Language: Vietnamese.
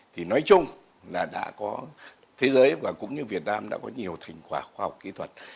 thì nói chung là đã có thế giới và cũng như việt nam đã có nhiều thành quả khoa học kỹ thuật